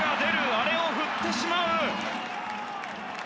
あれを振ってしまう。